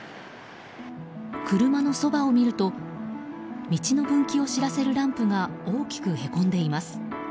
車のそばを見ると道の分岐を知らせるランプが大きくへこんでいます。